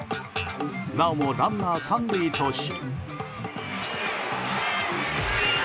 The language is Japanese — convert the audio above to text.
なおもランナー３塁とし。